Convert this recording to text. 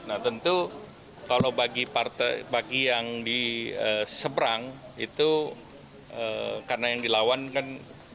nah tentu kalau bagi yang di seberang itu karena yang dilawan kan